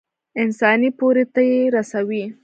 انساني پوړۍ ته يې رسوي.